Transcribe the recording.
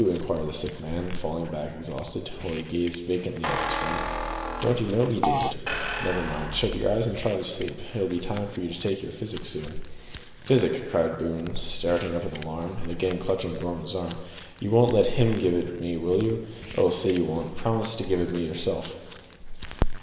inquired the sick man, falling back exhausted, while he gazed vacantly at his friend. "Don't you know me, David?" "Never mind, shut your eyes now and try to sleep. It'll be time to take your physic soon." "Physic!" cried Boone, starting up in alarm, and again clutching Gorman's arm. "You won't let him give it me, will you? Oh! say you won't promise to give it me yourself!"